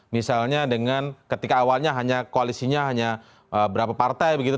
misalnya dengan ketika awalnya hanya koalisinya hanya berapa partai begitu